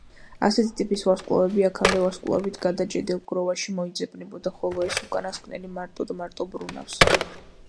ასეთი ტიპის ვარსკვლავები აქამდე ვარსკვლავებით გადაჭედილ გროვაში მოიძებნებოდა, ხოლო ეს უკანასკნელი მარტოდ მარტო ბრუნავს.